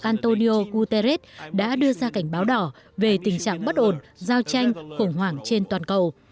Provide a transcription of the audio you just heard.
antonio guterres đã đưa ra cảnh báo đỏ về tình trạng bất ổn giao tranh khủng hoảng trên toàn cầu